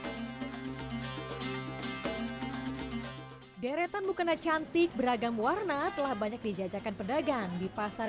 hai deretan bukena cantik beragam warna telah banyak dijajakan pedagang di pasar